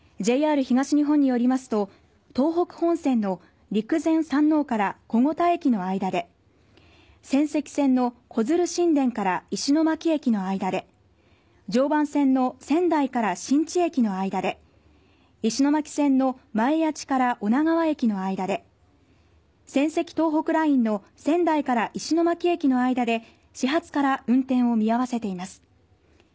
ＪＲ東日本によりますと東北本線の陸前山王から小牛田駅の間で仙石線の小鶴新田から石巻駅の間で常磐線の仙台から新地駅の間で石巻線の前谷地から女川駅の間で仙石東北ラインの仙台から石巻駅の間で始発から運転を見合わせています。